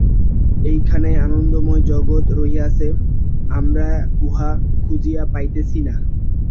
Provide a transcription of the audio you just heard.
এইখানেই আনন্দময় জগৎ রহিয়াছে, আমরা উহা খুঁজিয়া পাইতেছি না।